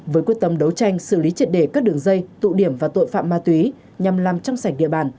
với quyết tâm đấu tranh xử lý triệt đề các đường dây tụ điểm và tội phạm ma túy nhằm làm trong sảnh địa bàn